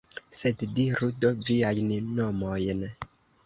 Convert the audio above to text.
Sed diru do viajn nomojn!